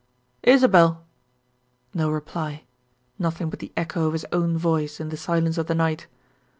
"Isabel!" No reply. Nothing but the echo of his own voice in the silence of the night.